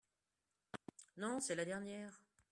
Non, c’est la dernière.